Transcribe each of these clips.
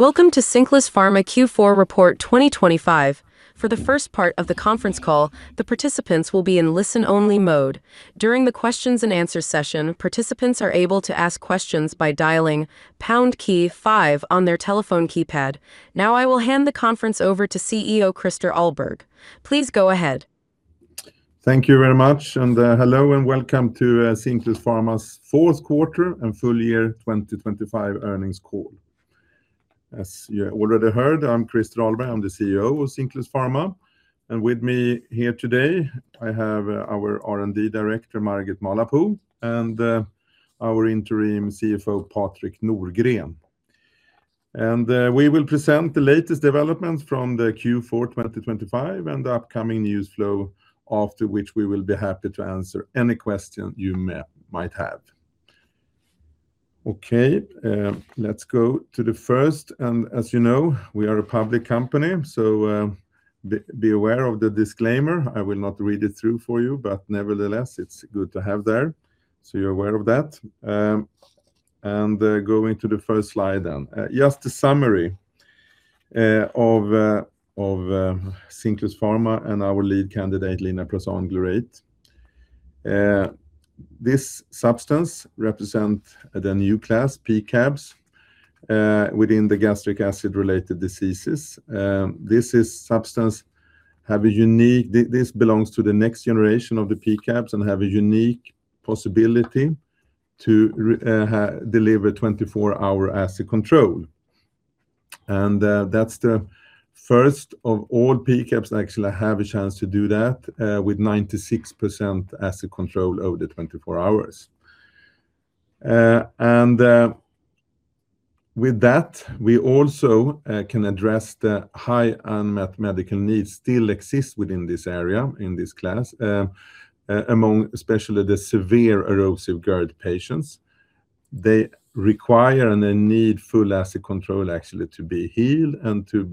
Welcome to Cinclus Pharma Q4 Report 2025. For the first part of the conference call, the participants will be in listen-only mode. During the questions and answer session, participants are able to ask questions by dialing pound key five on their telephone keypad. Now, I will hand the conference over to CEO, Christer Ahlberg. Please go ahead. Thank you very much, and hello, and welcome to Cinclus Pharma's fourth quarter and full year 2025 earnings call. As you already heard, I'm Christer Ahlberg. I'm the CEO of Cinclus Pharma, and with me here today, I have our R&D director, Margit Mahlapuu, and our interim CFO, Patrik Nordgren. We will present the latest developments from the Q4 2025 and the upcoming news flow, after which we will be happy to answer any question you might have. Let's go to the first, and as you know, we are a public company, so be aware of the disclaimer. I will not read it through for you, but nevertheless, it's good to have there, so you're aware of that. Going to the first slide then. Just a summary of Cinclus Pharma and our lead candidate, linaprazan glurate. This substance represent the new class P-CABs within the gastric acid-related diseases. This substance have a unique—this belongs to the next generation of the P-CABs and have a unique possibility to deliver 24-hour acid control. And that's the first of all P-CABs, actually, have a chance to do that with 96% acid control over the 24 hours. And with that, we also can address the high unmet medical needs still exist within this area, in this class, among especially the severe erosive GERD patients. They require, and they need full acid control, actually, to be healed and to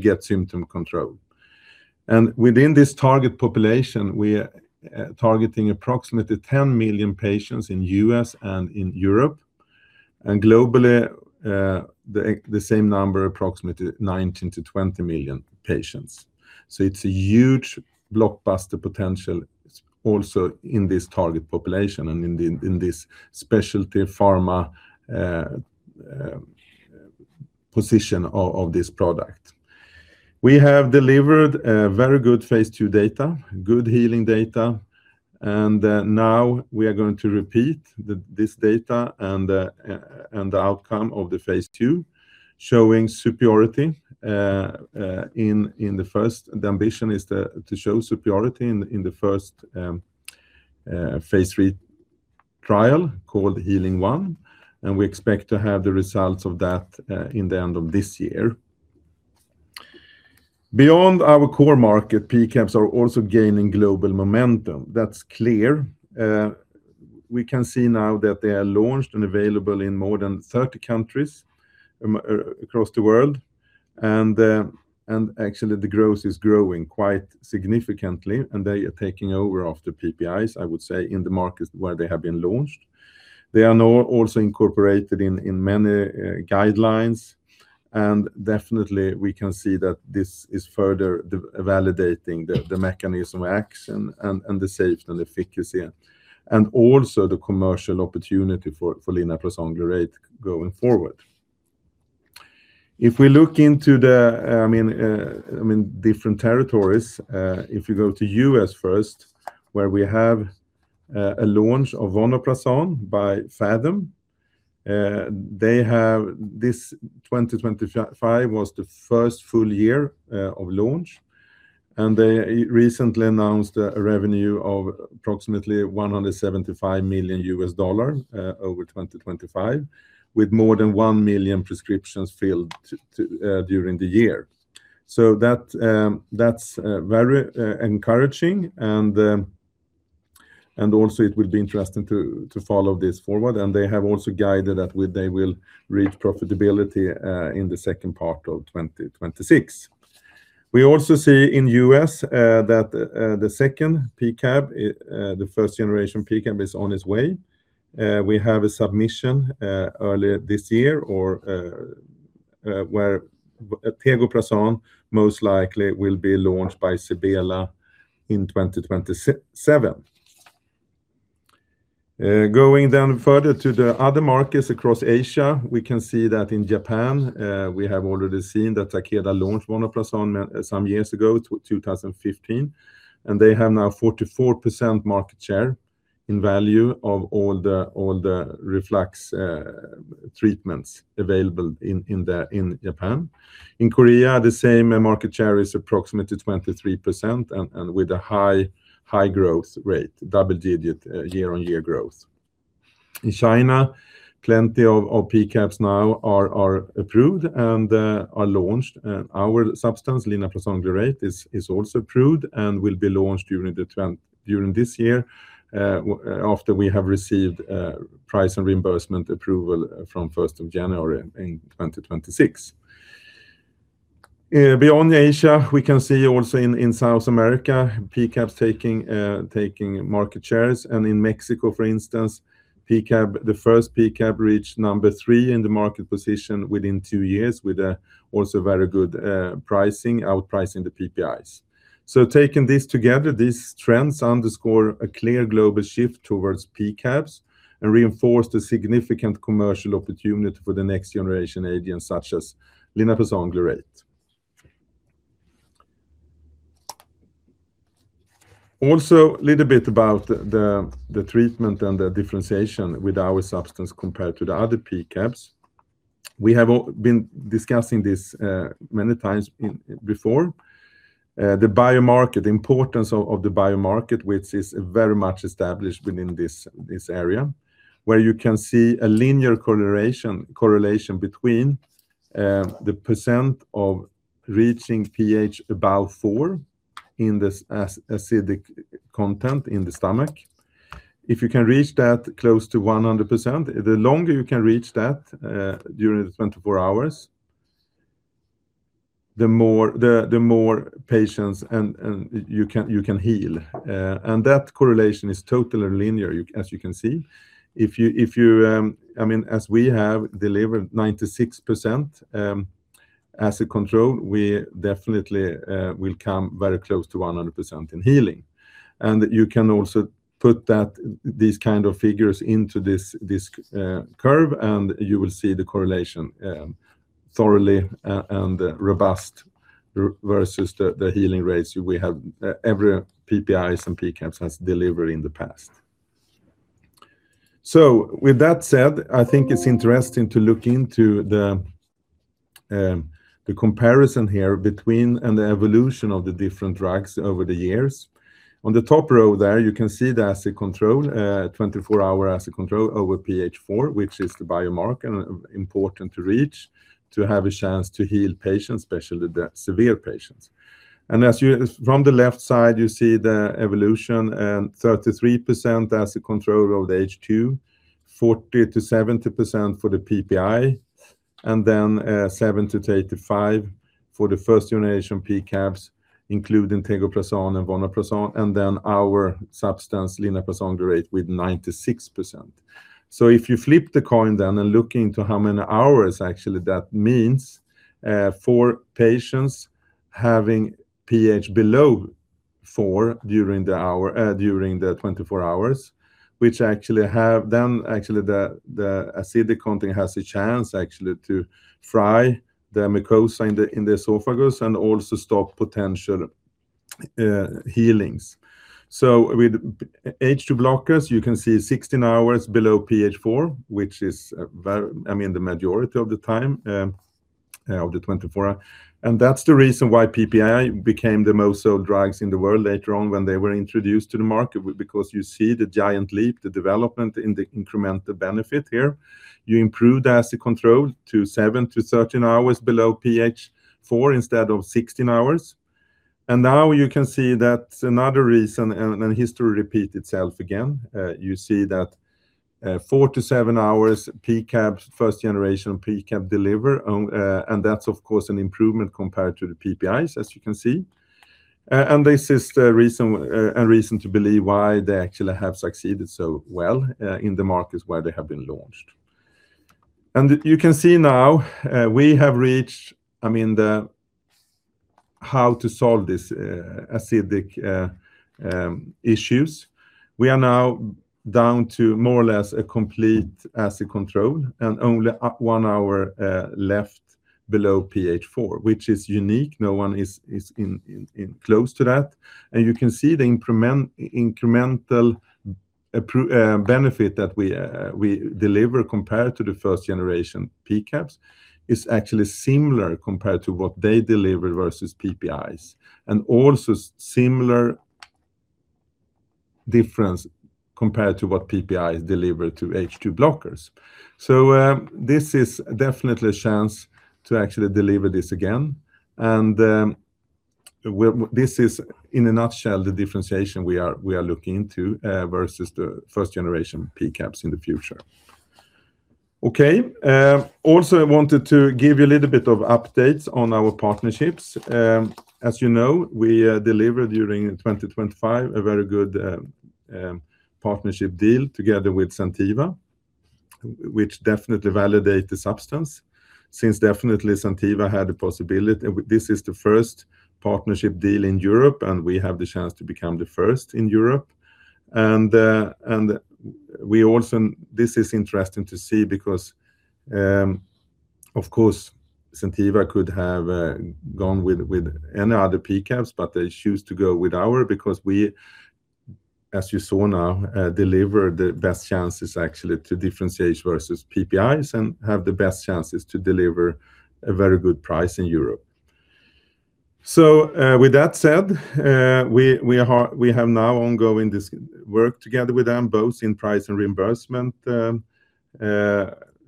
get symptom control. Within this target population, we are targeting approximately 10 million patients in the U.S. and in Europe, and globally, the same number, approximately 19-20 million patients. So it's a huge blockbuster potential also in this target population and in this specialty pharma position of this product. We have delivered very good phase II data, good healing data, and now we are going to repeat this data and the outcome of the phase II, showing superiority in the first. The ambition is to show superiority in the first phase III trial, called HEALING 1, and we expect to have the results of that in the end of this year. Beyond our core market, P-CABs are also gaining global momentum. That's clear. We can see now that they are launched and available in more than 30 countries across the world, and actually, the growth is growing quite significantly, and they are taking over after PPIs, I would say, in the markets where they have been launched. They are now also incorporated in many guidelines, and definitely, we can see that this is further validating the mechanism of action and the safety and efficacy, and also the commercial opportunity for linaprazan glurate going forward. If we look into the, in, I mean, different territories, if you go to U.S. first, where we have a launch of vonoprazan by Phathom, they have this 2025 was the first full year of launch, and they recently announced a revenue of approximately $175 million over 2025, with more than 1 million prescriptions filled during the year. That's very encouraging, and also it will be interesting to follow this forward. They have also guided that they will reach profitability in the second part of 2026. We also see in U.S. that the second P-CAB, the first generation P-CAB, is on its way. We have a submission earlier this year or where tegoprazan most likely will be launched by Sebela in 2027. Going down further to the other markets across Asia, we can see that in Japan, we have already seen that Takeda launched vonoprazan some years ago, 2015, and they have now 44% market share in value of all the reflux treatments available in Japan. In Korea, the same market share is approximately 23% and with a high growth rate, double-digit year-on-year growth. In China, plenty of P-CABs now are approved and are launched. Our substance, linaprazan glurate, is also approved and will be launched during this year, after we have received price and reimbursement approval from 1st January 2026. Beyond Asia, we can see also in South America, P-CABs taking market shares. In Mexico, for instance, P-CAB, the first P-CAB reached number three in the market position within two years, with also very good pricing, outpricing the PPIs. So taking this together, these trends underscore a clear global shift towards P-CABs and reinforce the significant commercial opportunity for the next generation agents, such as linaprazan glurate. Also, a little bit about the treatment and the differentiation with our substance compared to the other P-CABs. We have been discussing this many times in before. The biomarker, the importance of the biomarker, which is very much established within this area, where you can see a linear correlation between the percent of reaching pH above 4 in this acidic content in the stomach. If you can reach that close to 100%, the longer you can reach that during the 24 hours, the more patients you can heal. And that correlation is totally linear, as you can see. I mean, as we have delivered 96% as a control, we definitely will come very close to 100% in healing. You can also put that, these kind of figures into this curve, and you will see the correlation thoroughly, and robust, versus the healing rates we have, every PPIs and P-CABs has delivered in the past. So with that said, I think it's interesting to look into the comparison here between and the evolution of the different drugs over the years. On the top row there, you can see the acid control, 24-hour acid control over pH 4, which is the biomarker and important to reach, to have a chance to heal patients, especially the severe patients. From the left side, you see the evolution and 33% acid control over the H2, 40%-70% for the PPI, and then seventy to eighty-five for the first-generation P-CABs, including tegoprazan and vonoprazan, and then our substance, linaprazan glurate, with 96%. So if you flip the coin then and look into how many hours actually that means for patients having pH below 4 during the hour, during the 24 hours, which actually have then, actually the, the acidic content has a chance actually to fry the mucosa in the, in the esophagus, and also stop potential healings. So with H2 blockers, you can see 16 hours below pH 4, which is very, I mean, the majority of the time of the 24 hours. And that's the reason why PPI became the most sold drugs in the world later on when they were introduced to the market, because you see the giant leap, the development in the incremental benefit here. You improve the acid control to 7-13 hours below pH 4 instead of 16 hours. And now you can see that another reason, and history repeat itself again, you see that four-seven hours P-CABs, first generation P-CAB deliver, and that's, of course, an improvement compared to the PPIs, as you can see. And this is the reason, and reason to believe why they actually have succeeded so well in the markets where they have been launched. And you can see now, we have reached, I mean, the how to solve this acidic issues. We are now down to more or less a complete acid control and only one hour left below pH 4, which is unique. No one is in close to that. And you can see the incremental benefit that we deliver compared to the first generation P-CABs is actually similar compared to what they deliver versus PPIs, and also similar difference compared to what PPIs deliver to H2 blockers. So, this is definitely a chance to actually deliver this again, and this is, in a nutshell, the differentiation we are looking into versus the first generation P-CABs in the future. Okay, also, I wanted to give you a little bit of updates on our partnerships. As you know, we delivered during 2025 a very good partnership deal together with Zentiva, which definitely validate the substance, since definitely Zentiva had a possibility. This is the first partnership deal in Europe, and we have the chance to become the first in Europe. This is interesting to see because, of course, Zentiva could have gone with any other P-CABs, but they choose to go with our because we, as you saw now, deliver the best chances actually to differentiate versus PPIs and have the best chances to deliver a very good price in Europe. So, with that said, we are. We have now ongoing this work together with them, both in price and reimbursement,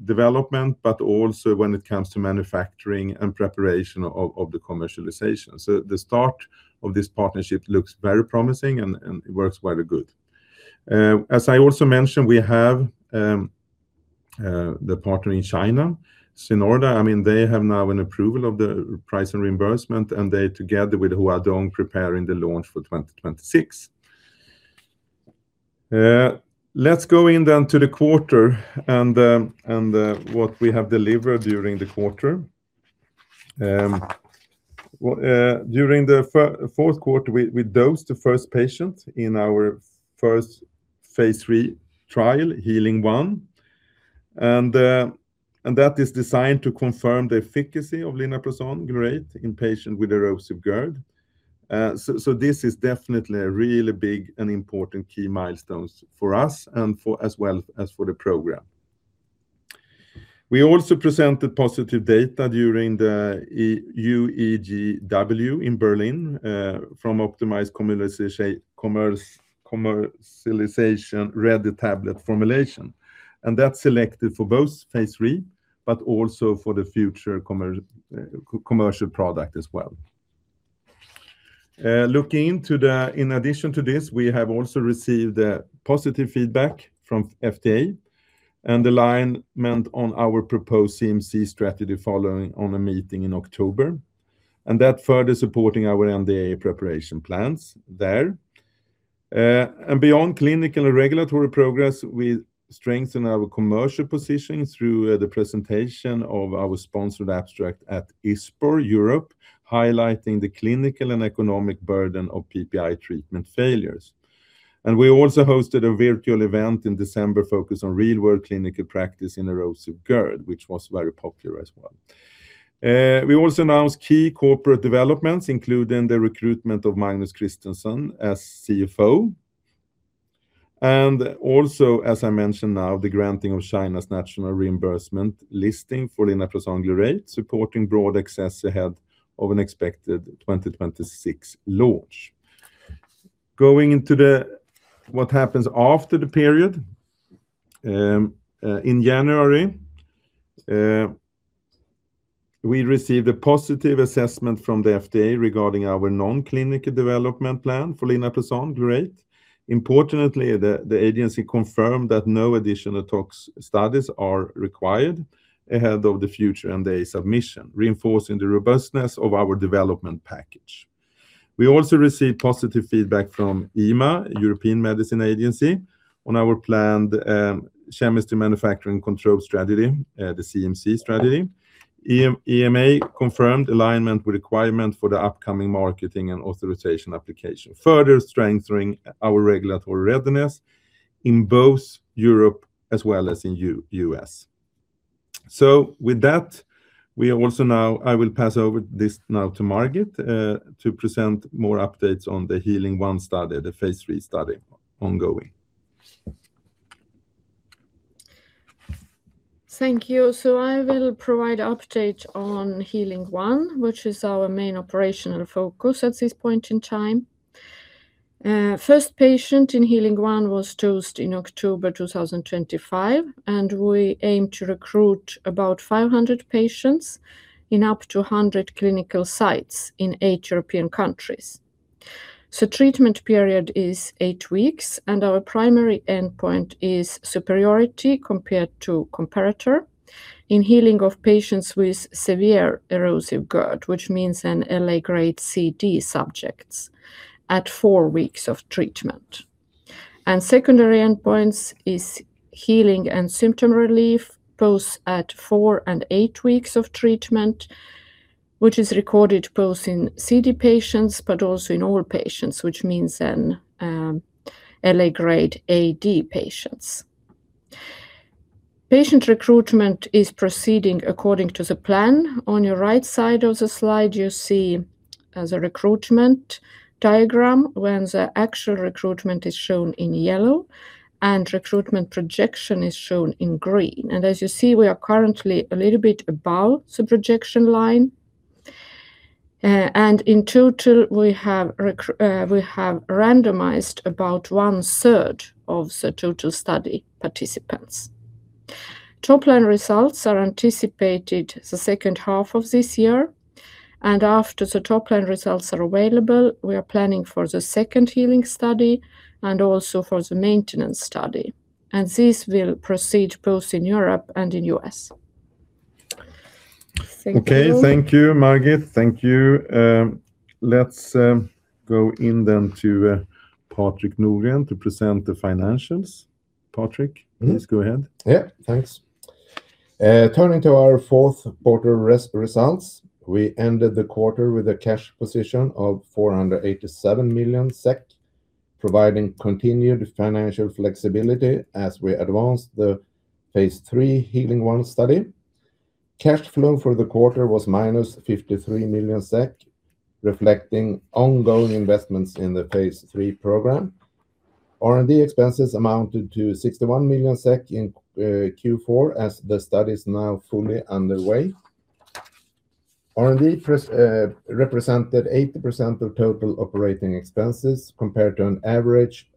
development, but also when it comes to manufacturing and preparation of the commercialization. The start of this partnership looks very promising and it works very good. I also mentioned, we have the partner in China, Sinorda. I mean, they have now an approval of the price and reimbursement, and they, together with Huadong, are preparing the launch for 2026. Let's go in then to the quarter and what we have delivered during the quarter. Well, during the fourth quarter, we dosed the first patient in our first phase III trial, HEALING 1. And that is designed to confirm the efficacy of linaprazan glurate in patients with erosive GERD. This is definitely a really big and important key milestone for us as well as for the program. We also presented positive data during the UEG Week in Berlin from optimized commercialization-ready tablet formulation, and that's selected for both Phase III, but also for the future commercial product as well. In addition to this, we have also received positive feedback from FDA and alignment on our proposed CMC strategy following a meeting in October, and that further supporting our NDA preparation plans there. Beyond clinical and regulatory progress, we strengthen our commercial positioning through the presentation of our sponsored abstract at ISPOR Europe, highlighting the clinical and economic burden of PPI treatment failures. We also hosted a virtual event in December, focused on real-world clinical practice in erosive GERD, which was very popular as well. We also announced key corporate developments, including the recruitment of Magnus Kristiansson as CFO. And also, as I mentioned now, the granting of China's national reimbursement listing for linaprazan glurate, supporting broad access ahead of an expected 2026 launch. Going into what happens after the period, in January, we received a positive assessment from the FDA regarding our non-clinical development plan for linaprazan glurate. Importantly, the agency confirmed that no additional tox studies are required ahead of the future NDA submission, reinforcing the robustness of our development package. We also received positive feedback from EMA, European Medicines Agency, on our planned chemistry, manufacturing, and control strategy, the CMC strategy. EMA confirmed alignment with requirement for the upcoming marketing and authorization application, further strengthening our regulatory readiness in both Europe as well as in U.S.. So with that, I will pass over this now to Margit to present more updates on the HEALING 1 study, the phase three study, ongoing. Thank you. So I will provide update on HEALING-1, which is our main operational focus at this point in time. First patient in HEALING-1 was dosed in October 2025, and we aim to recruit about 500 patients in up to 100 clinical sites in eight European countries. Treatment period is eight weeks, and our primary endpoint is superiority compared to comparator in healing of patients with severe erosive GERD, which means an LA grade C/D subjects at four weeks of treatment. And secondary endpoints is healing and symptom relief, both at four and eight weeks of treatment, which is recorded both in C/D patients but also in all patients, which means in LA grade A/D patients. Patient recruitment is proceeding according to the plan. On your right side of the slide, you see as a recruitment diagram, when the actual recruitment is shown in yellow and recruitment projection is shown in green. And as you see, we are currently a little bit above the projection line. And in total, we have randomized about one-third of the total study participants. Top-line results are anticipated the second half of this year, and after the top-line results are available, we are planning for the second healing study and also for the maintenance study, and this will proceed both in Europe and in U.S. Thank you. Okay. Thank you, Margit. Thank you. Let's go in then to Patrik Nordgren to present the financials. Patrik, please go ahead. Yeah, thanks. Turning to our fourth quarter results, we ended the quarter with a cash position of 487 million, providing continued financial flexibility as we advanced the phase three HEALING 1 study. Cash flow for the quarter was minus 53 million SEK, reflecting ongoing investments in the phase three program. R&D expenses amounted to 61 million SEK in Q4, as the study is now fully underway. R&D represented 80% of total operating expenses, compared to an average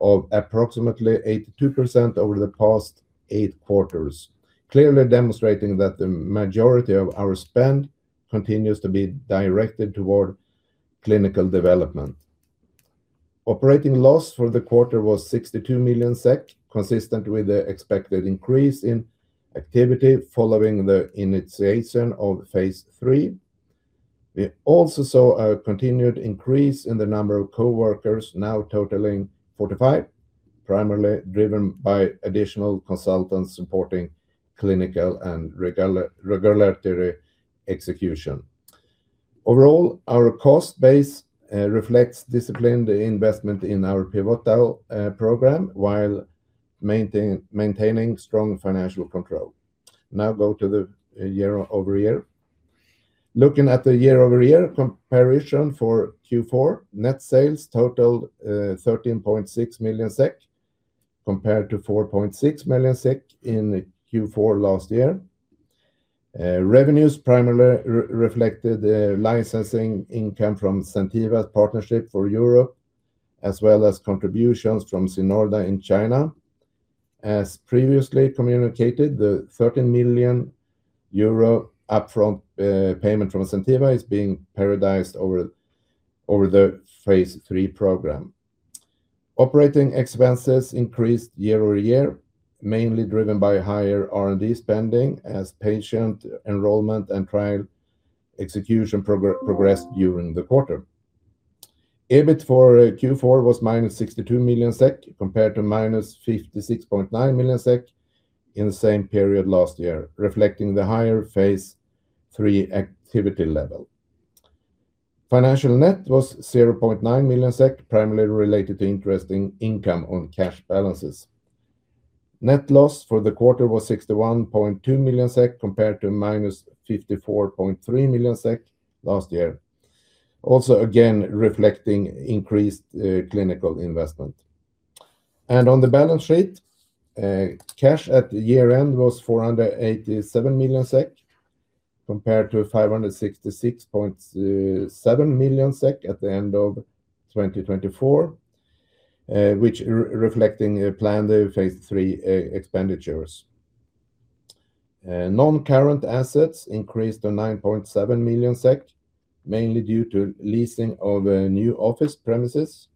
of approximately 82% over the past eight quarters, clearly demonstrating that the majority of our spend continues to be directed toward clinical development. Operating loss for the quarter was 62 million SEK, consistent with the expected increase in activity following the initiation of phase three. We also saw a continued increase in the number of coworkers, now totaling 45, primarily driven by additional consultants supporting clinical and regulatory execution. Overall, our cost base reflects disciplined investment in our pivotal program, while maintaining strong financial control. Now, go to the year-over-year. Looking at the year-over-year comparison for Q4, net sales totaled 13.6 million SEK, compared to 4.6 million SEK in Q4 last year. Revenues primarily reflected the licensing income from Zentiva's partnership for Europe, as well as contributions from Sinorda in China. As previously communicated, the 13 million euro upfront payment from Zentiva is being amortized over the phase III program. Operating expenses increased year-over-year, mainly driven by higher R&D spending as patient enrollment and trial execution progressed during the quarter. EBIT for Q4 was -62 million SEK, compared to -56.9 million SEK in the same period last year, reflecting the higher phase three activity level. Financial net was 0.9 million SEK, primarily related to interest income on cash balances. Net loss for the quarter was 61.2 million SEK, compared to -54.3 million SEK last year. Also, again, reflecting increased, you know, clinical investment. On the balance sheet, cash at year-end was 487 million SEK, compared to 566.7 million SEK at the end of 2024, which reflected planned phase three expenditures. Non-current assets increased to 9.7 million SEK, mainly due to leasing of new office premises.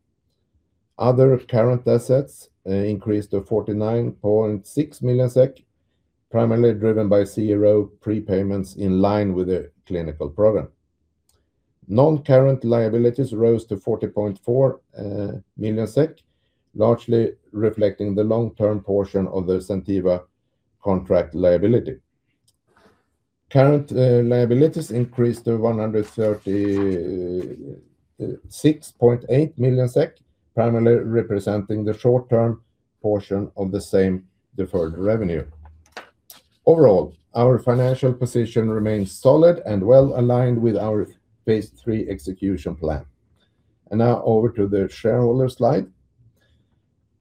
Other current assets increased to 49.6 million SEK, primarily driven by CRO prepayments in line with the clinical program. Non-current liabilities rose to 40.4 million SEK, largely reflecting the long-term portion of the Zentiva contract liability. Current liabilities increased to 136.8 million SEK, primarily representing the short-term portion of the same deferred revenue. Overall, our financial position remains solid and well-aligned with our phase three execution plan. Now over to the shareholder slide.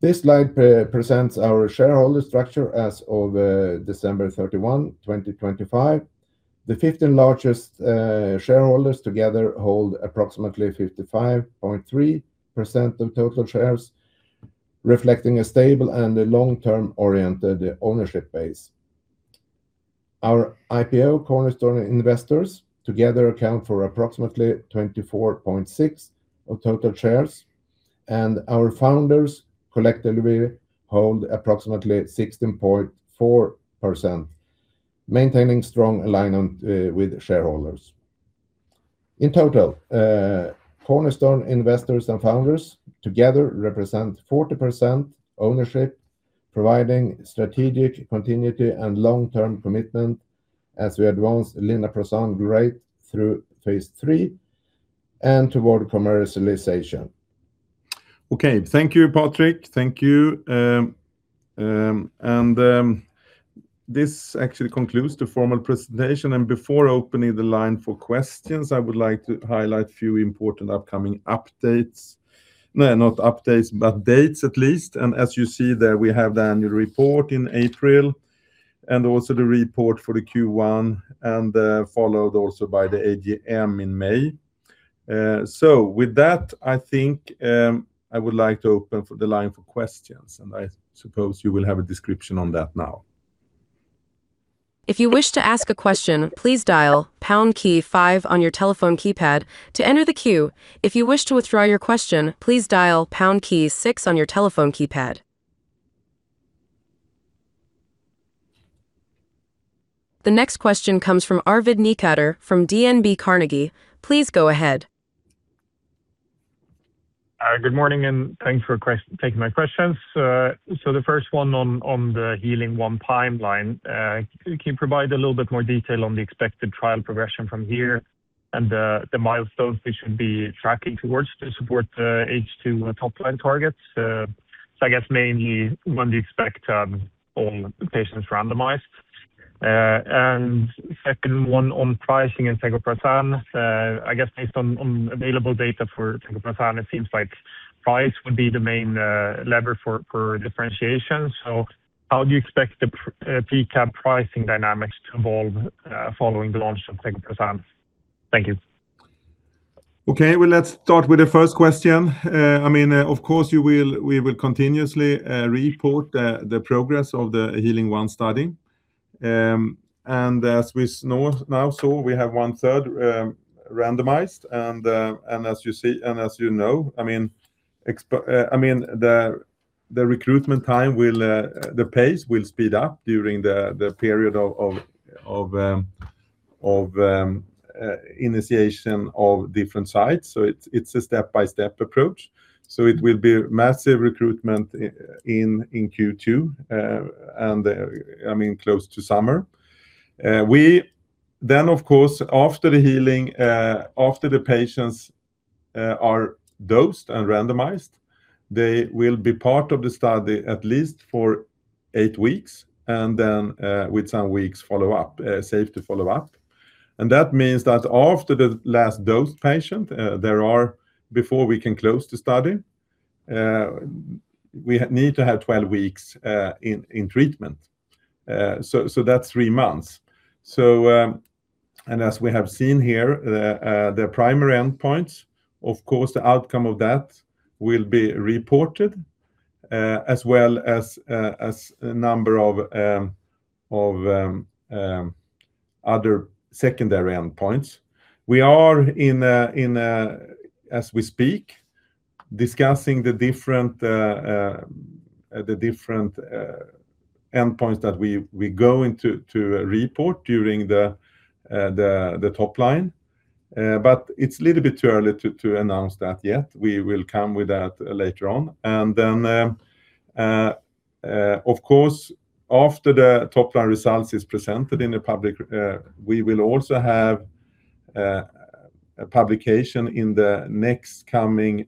This slide presents our shareholder structure as of December 31, 2025. The 15 largest shareholders together hold approximately 55.3% of total shares, reflecting a stable and long-term-oriented ownership base. Our IPO cornerstone investors together account for approximately 24.6 of total shares, and our founders collectively hold approximately 16.4%, maintaining strong alignment with shareholders. In total, cornerstone investors and founders together represent 40% ownership, providing strategic continuity and long-term commitment as we advance linaprazan right through phase III and toward commercialization. Okay. Thank you, Patrik. Thank you. And this actually concludes the formal presentation, and before opening the line for questions, I would like to highlight a few important upcoming updates. No, not updates, but dates at least. And as you see there, we have the annual report in April, and also the report for the Q1, and followed also by the AGM in May. So with that, I think I would like to open the line for questions, and I suppose you will have a description on that now. If you wish to ask a question, please dial pound key five on your telephone keypad to enter the queue. If you wish to withdraw your question, please dial pound key six on your telephone keypad. The next question comes from Arvid Necander from DNB Carnegie. Please go ahead. Good morning, and thanks for taking my questions. So the first one on the HEALING 1 pipeline. Can you provide a little bit more detail on the expected trial progression from here and the milestones we should be tracking towards to support the H2 top-line targets? So I guess mainly when do you expect all the patients randomized? And second one on pricing and tegoprazan. I guess based on available data for tegoprazan, it seems like price would be the main lever for differentiation. So how do you expect the P-CAB pricing dynamics to evolve following the launch of tegoprazan? Thank you. Okay, well, let's start with the first question. I mean, of course, we will continuously report the progress of the HEALING 1 study. And as we know now, so we have one third randomized, and as you see and as you know, I mean, the recruitment time will, the pace will speed up during the period of initiation of different sites. So it's a step-by-step approach. So it will be massive recruitment in Q2, and I mean, close to summer. We then, of course, after the HEALING, after the patients are dosed and randomized, they will be part of the study at least for eight weeks, and then with some weeks follow-up, safety follow-up. That means that after the last dosed patient, there are... Before we can close the study, we need to have 12 weeks in treatment. That's three months. As we have seen here, the primary endpoints, of course, the outcome of that will be reported, as well as a number of other secondary endpoints. We are, as we speak, discussing the different endpoints that we are going to report during the top line. It's a little bit too early to announce that yet. We will come with that later on. And then, of course, after the top-line results is presented in the public, we will also have a publication in the next coming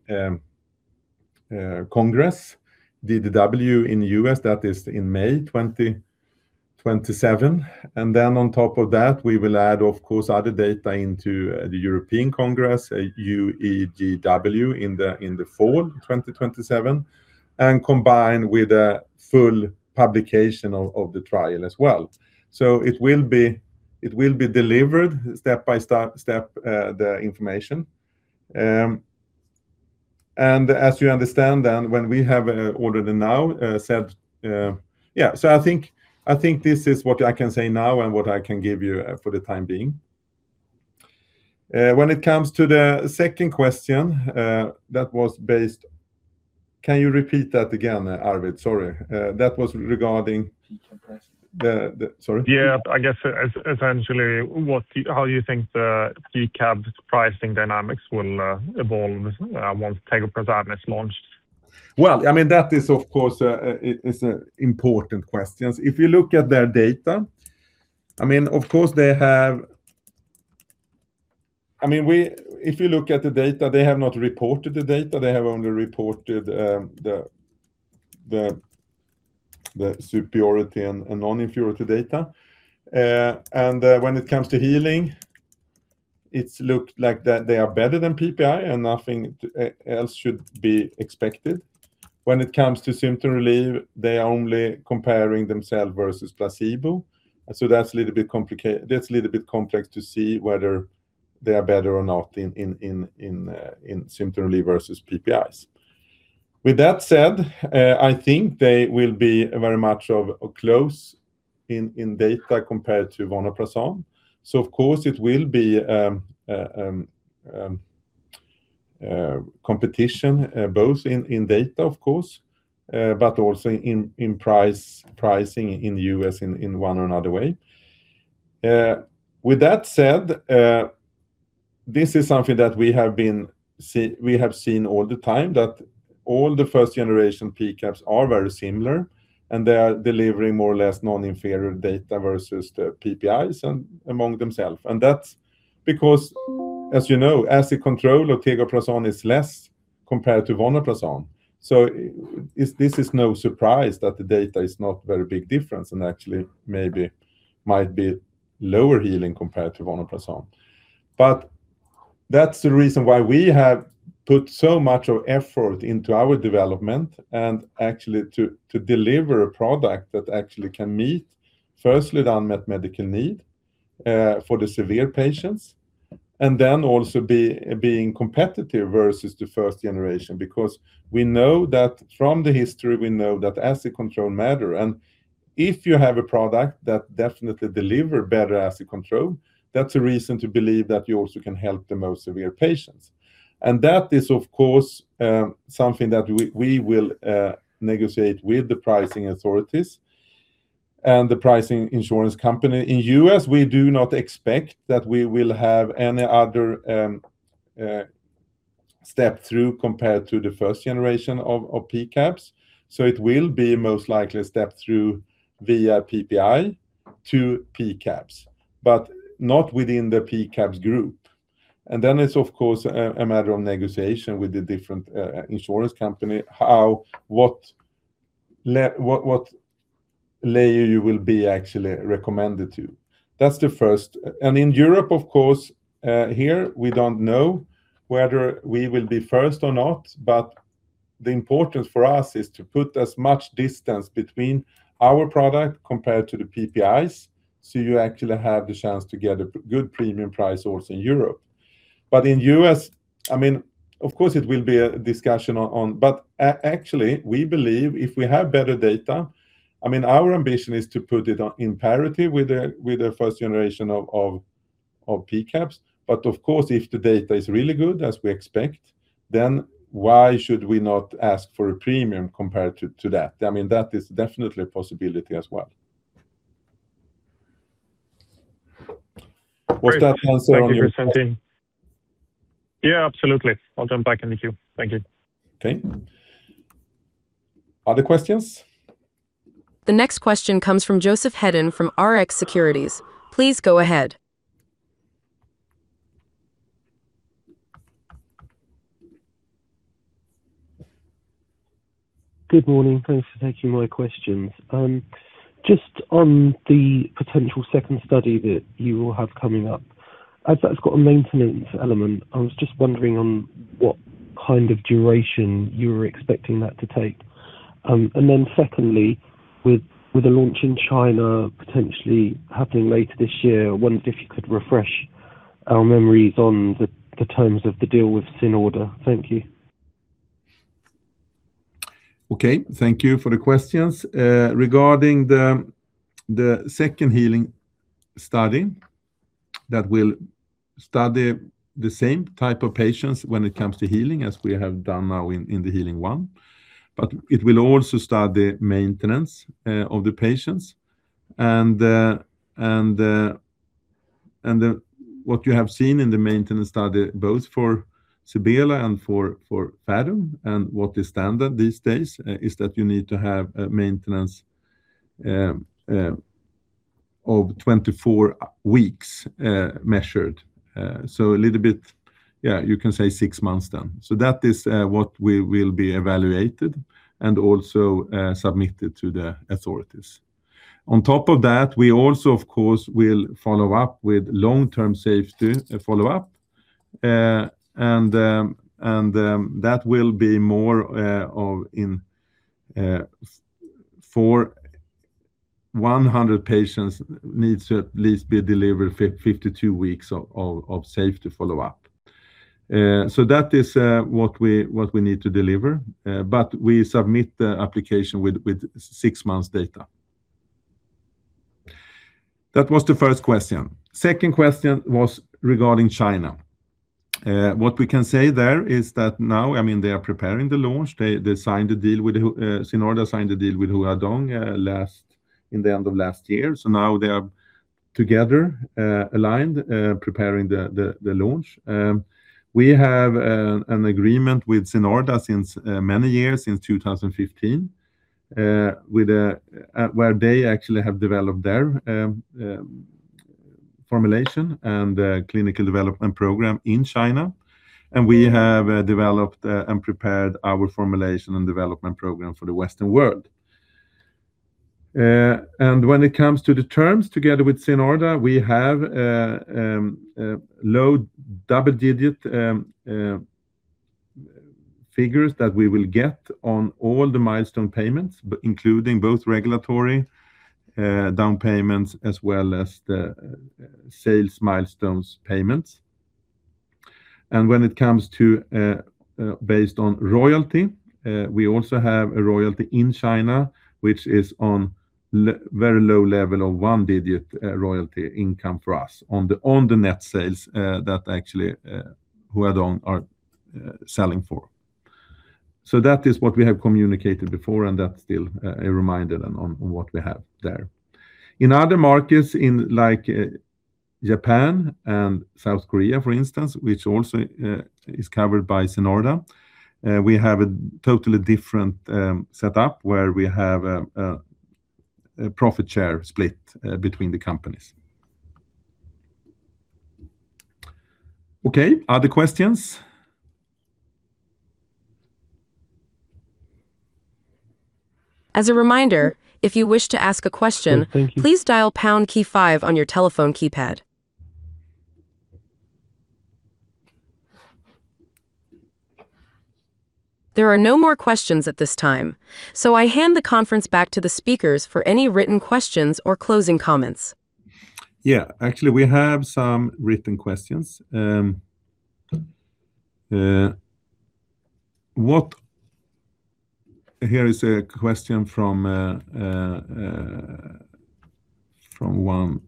Congress, DDW in the US, that is in May 2027. And then on top of that, we will add, of course, other data into the European Congress, UEGW, in the fall 2027, and combined with a full publication of the trial as well. So it will be delivered step by step the information. And as you understand, then, when we have ordered now said... Yeah, so I think this is what I can say now and what I can give you for the time being. When it comes to the second question, that was based— Can you repeat that again, Arvid? Sorry, that was regarding- PCABs. Sorry? Yeah, I guess essentially, what do you, how you think the P-CAB pricing dynamics will evolve once tegoprazan is launched? Well, I mean, that is, of course, it, it's an important question. If you look at their data, I mean, of course, if you look at the data, they have not reported the data. They have only reported the superiority and non-inferiority data. And when it comes to healing, it's looked like that they are better than PPI, and nothing else should be expected. When it comes to symptom relief, they are only comparing themselves versus placebo, so that's a little bit complex to see whether they are better or not in symptom relief versus PPIs. With that said, I think they will be very much of a close in data compared to vonoprazan. So of course, it will be competition both in data, of course, but also in pricing in the U.S. in one another way. With that said, this is something that we have seen all the time, that all the first-generation P-CABs are very similar, and they are delivering more or less non-inferior data versus the PPIs and among themselves. And that's because, as you know, acid control of tegoprazan is less compared to vonoprazan. So it, this is no surprise that the data is not very big difference and actually maybe might be lower healing compared to vonoprazan. But that's the reason why we have put so much of effort into our development and actually to deliver a product that actually can meet, firstly, the unmet medical need, for the severe patients, and then also being competitive versus the first generation. Because we know that from the history, we know that acid control matter, and if you have a product that definitely deliver better acid control, that's a reason to believe that you also can help the most severe patients. And that is, of course, something that we will negotiate with the pricing authorities and the pricing insurance company. In U.S., we do not expect that we will have any other, step-through compared to the first generation of P-CABs. So it will be most likely a step-through via PPI to P-CABs, but not within the P-CABs group. Then it's, of course, a matter of negotiation with the different insurance company, how what layer you will be actually recommended to. That's the first. And in Europe, of course, here, we don't know whether we will be first or not, but the importance for us is to put as much distance between our product compared to the PPIs, so you actually have the chance to get a good premium price also in Europe. But in U.S.-... I mean, of course, it will be a discussion on - but actually, we believe if we have better data, I mean, our ambition is to put it on in parity with the first generation of P-CABs. But of course, if the data is really good, as we expect, then why should we not ask for a premium compared to that? I mean, that is definitely a possibility as well. Was that answer on your- Thank you, Martin. Yeah, absolutely. I'll jump back in the queue. Thank you. Okay. Other questions? The next question comes from Joseph Hedden, from Rx Securities. Please go ahead. Good morning. Thanks for taking my questions. Just on the potential second study that you will have coming up, as that's got a maintenance element, I was just wondering on what kind of duration you were expecting that to take. And then secondly, with, with the launch in China potentially happening later this year, I wondered if you could refresh our memories on the, the terms of the deal with Sinorda. Thank you. Okay. Thank you for the questions. Regarding the second healing study, that will study the same type of patients when it comes to healing as we have done now in the HEALING 1, but it will also study maintenance of the patients. What you have seen in the maintenance study, both for Sebela and for Phathom, and what is standard these days is that you need to have a maintenance of 24 weeks measured. So a little bit, yeah, you can say six months then. So that is what we will be evaluated and also submitted to the authorities. On top of that, we also, of course, will follow up with long-term safety follow-up. That will be more of in, for 100 patients needs to at least be delivered 52 weeks of safety follow-up. That is what we need to deliver, but we submit the application with six months data. That was the first question. Second question was regarding China. What we can say there is that now, I mean, they are preparing the launch. They signed a deal with Sinorda, signed a deal with Huadong, in the end of last year. Now they are together, aligned, preparing the launch. We have an agreement with Sinorda since many years, since 2015. With where they actually have developed their formulation and clinical development program in China, and we have developed and prepared our formulation and development program for the Western world. And when it comes to the terms, together with Sinorda, we have low double-digit figures that we will get on all the milestone payments, but including both regulatory down payments as well as the sales milestones payments. And when it comes to based on royalty, we also have a royalty in China, which is on a very low level of one-digit royalty income for us on the net sales that actually Huadong are selling for. So that is what we have communicated before, and that's still a reminder on what we have there. In other markets, in like Japan and South Korea, for instance, which also is covered by Sinorda, we have a totally different setup where we have a profit share split between the companies. Okay, other questions? As a reminder, if you wish to ask a question. Yeah, thank you.... please dial pound key five on your telephone keypad. There are no more questions at this time, so I hand the conference back to the speakers for any written questions or closing comments. Yeah, actually, we have some written questions. Here is a question from one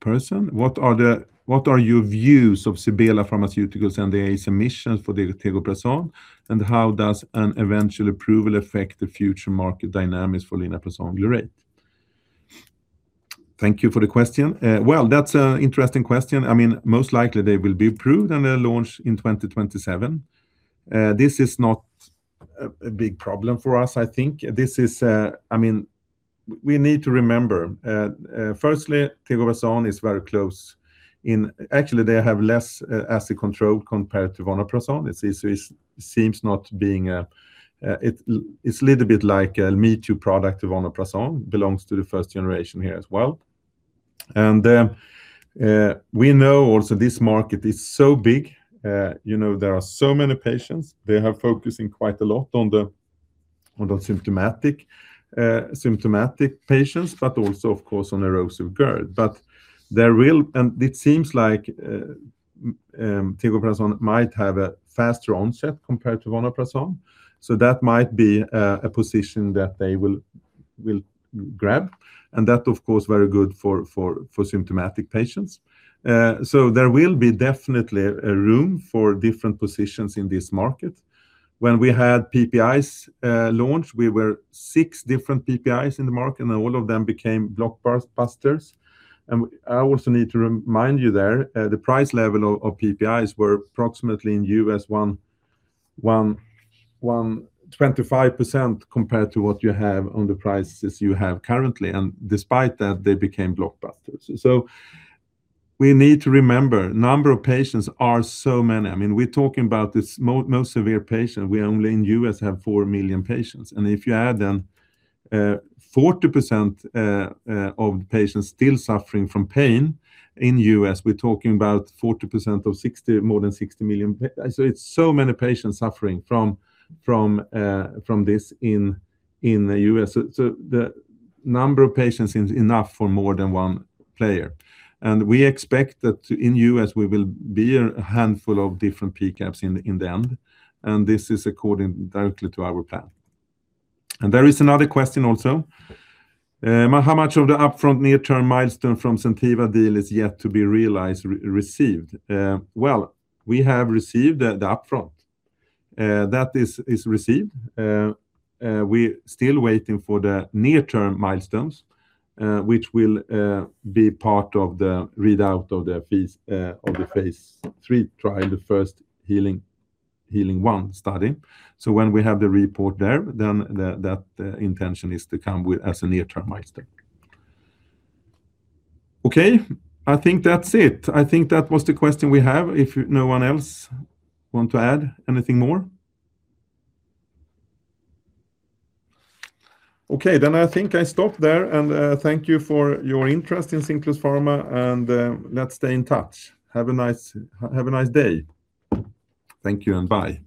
person: What are your views of Sebela Pharmaceuticals and the NDA submission for Tegoprazan, and how does an eventual approval affect the future market dynamics for linaprazan glurate? Thank you for the question. Well, that's an interesting question. I mean, most likely, they will be approved and then launch in 2027. This is not a big problem for us. I think this is... I mean, we need to remember, firstly, tegoprazan is very close in- actually, they have less acid control compared to vonoprazan. It seems not being a- it's a little bit like a me-too product to vonoprazan, belongs to the first generation here as well. We know also this market is so big, you know, there are so many patients. They have focusing quite a lot on the-... on those symptomatic, symptomatic patients, but also, of course, on erosive GERD. There will, and it seems like, tegoprazan might have a faster onset compared to vonoprazan, so that might be a position that they will grab, and that, of course, very good for symptomatic patients. There will be definitely a room for different positions in this market. When we had PPIs launched, we were six different PPIs in the market, and all of them became blockbusters. I also need to remind you there, the price level of PPIs were approximately in the U.S., 125% compared to what you have on the prices you have currently. And despite that, they became blockbusters. So we need to remember, number of patients are so many. I mean, we're talking about this most severe patient. We only in U.S. have four million patients, and if you add then, 40% of the patients still suffering from pain in U.S., we're talking about 40% of 60... more than 60 million patients. So it's so many patients suffering from, from, from this in, in the U.S. So, so the number of patients is enough for more than one player. And we expect that in U.S., we will be a handful of different P-CABs in, in the end, and this is according directly to our plan. And there is another question also: how much of the upfront near-term milestone from Zentiva deal is yet to be realized, received? Well, we have received the upfront. That is received. We're still waiting for the near-term milestones, which will be part of the readout of the phase of the Phase III trial, the first, the Healing-1 study. So when we have the report there, then that intention is to come with as a near-term milestone. Okay, I think that's it. I think that was the question we have. If no one else want to add anything more? Okay, then I think I stop there, and thank you for your interest in Cinclus Pharma, and let's stay in touch. Have a nice day. Thank you, and bye.